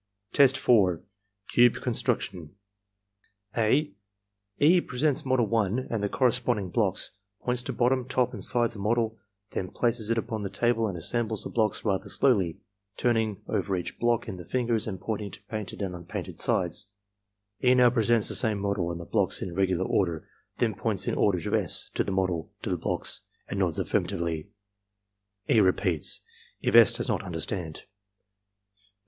Test 4. — Cube Construction (a) E. presents model 1 and the corresponding blocks, points to bottom, top, and sides of model; then places it upon the table and assembles the blocks rather slowly, turning each block over in the fingers and pointing to painted and impainted sides. E. now presents the same model and the blocks in irregular order, then points in order to S., to the model, to the blocks, and nods afiirmatively. E. repeats, if S. does not understand.